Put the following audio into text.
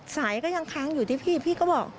ก็ยังค้างอยู่ที่พี่พี่ก็บอก